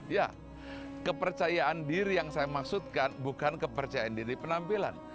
ya kepercayaan diri yang saya maksudkan bukan kepercayaan diri penampilan